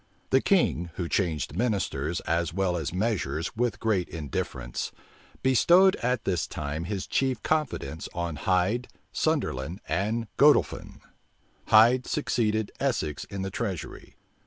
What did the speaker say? The king, who changed ministers as well as measures with great indifference, bestowed at this time his chief confidence on Hyde, Sunderland, and Godolphin. Hyde succeeded Essex in the treasury.